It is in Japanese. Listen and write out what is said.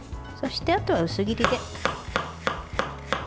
そして、あとは薄切りで。